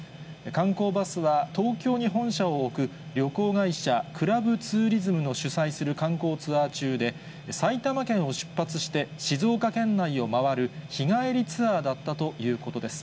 観光バスは東京に本社を置く旅行会社、クラブツーリズムの主催する観光ツアー中で、埼玉県を出発して静岡県内を回る日帰りツアーだったということです。